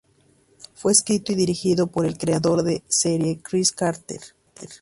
Fue escrito y dirigido por el creador de la serie Chris Carter.